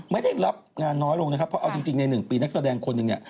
ไม่ได้รับงานน้อยลงนะครับเพราะเอาจริงใน๑ปีนักแสดงคนหนึ่งเนี่ย